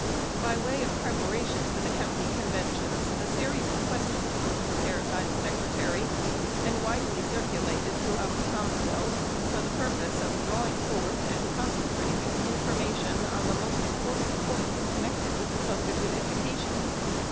By way of preparation for the county conventions, a series of questions was prepared by the Secretary, and widely circulated throughout the Commonwealth, for the purpose of drawing forth and concentrating information on the most important points, connected with the subject of education.